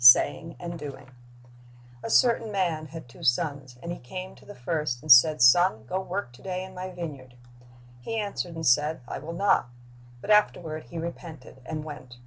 Saying and Doing A CERTAIN man had two sons; and he came to the ■^ first, and said, Son, go work to day in my vineyard. He answered and said, I will not; but afterward he repented, and went.